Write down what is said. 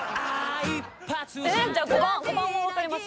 えっ⁉じゃあ５番は分かります？